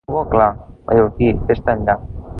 Montgó clar, mallorquí, fes-te enllà.